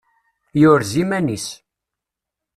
Yurez-iman-is.